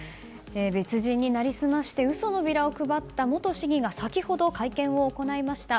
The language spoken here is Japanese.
別人に成り済まして嘘のビラを配った元市議が先ほど、会見を行いました。